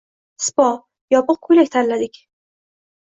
Sipo, yopiq koʻylak tanladik.